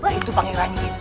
apa itu panggil ranjit